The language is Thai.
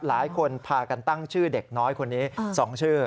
หลายคนพากันตั้งชื่อเด็กน้อยคนนี้๒ชื่อ